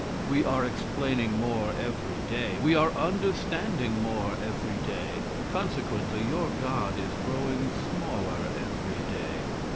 We are explaining more every day. We are understanding more every day; consequently your God is growing smaller every day.